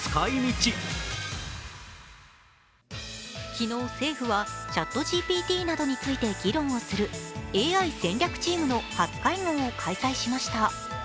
昨日、政府はＣｈａｔＧＰＴなどについて議論をするＡＩ戦略チームの初会合を開催しました。